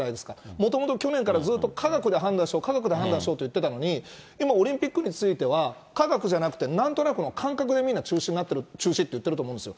もともと去年からずっと科学で判断しよう、科学で判断しようって言ってたのに、今、オリンピックについては科学じゃなくて、なんとなくの感覚の意味でみんな中止って言ってると思うんですよ。